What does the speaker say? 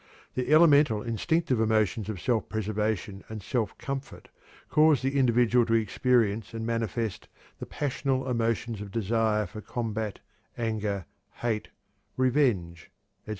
The elemental instinctive emotions of self preservation and self comfort cause the individual to experience and manifest the passional emotions of desire for combat, anger, hate, revenge, etc.